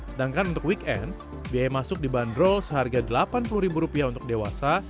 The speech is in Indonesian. sedangkan untuk weekend biaya masuk dibanderol seharga rp delapan puluh ribu rupiah untuk dewasa